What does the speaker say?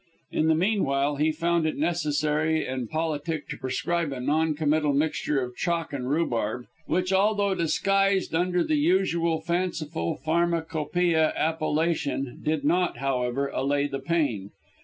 In the meanwhile, he found it necessary and politic to prescribe a non committal mixture of chalk and rhubarb, which, although disguised under the usual fanciful pharmacopoeia appellation, did not, however, allay the pain.